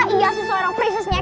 susah iya seseorang prinsipnya